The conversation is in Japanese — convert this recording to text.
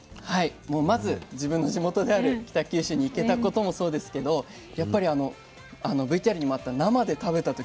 もうまず自分の地元である北九州に行けたこともそうですけどやっぱりＶＴＲにもあった生で食べた時の甘さとかが衝撃でしたね。